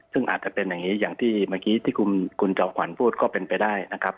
ซึ่งอาจจะเป็นอย่างนี้อย่างที่เมื่อกี้ที่คุณจอมขวัญพูดก็เป็นไปได้นะครับ